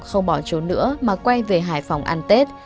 không bỏ trốn nữa mà quay về hải phòng ăn tết